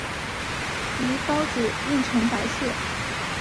其孢子印呈白色。